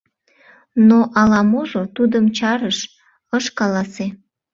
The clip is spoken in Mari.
Но ала-можо тудым чарыш, ыш каласе.